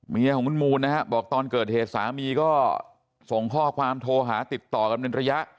เมียของคุณมูลนะฮะบอกตอนเกิดเหตุสามีก็ส่งข้อความโทรหาติดต่อกันเป็นระยะ